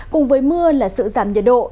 cùng với mưa là sự giảm nhiệt độ